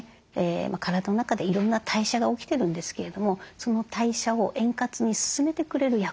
体の中でいろんな代謝が起きてるんですけれどもその代謝を円滑に進めてくれる役割